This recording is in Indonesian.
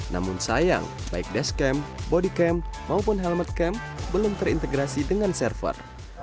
namun sayang baik dashcam bodycam maupun helmetcam belum terintegrasi dengan server